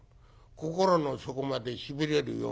『心の底までしびれるような』。